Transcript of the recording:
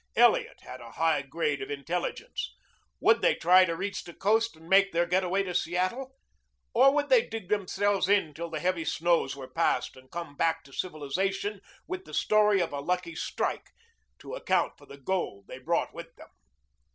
Elliot had a high grade of intelligence. Would they try to reach the coast and make their get away to Seattle? Or would they dig themselves in till the heavy snows were past and come back to civilization with the story of a lucky strike to account for the gold they brought with them?